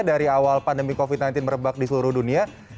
dari awal pandemi covid sembilan belas merebak di seluruh dunia